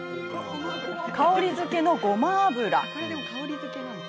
香りづけのごま油。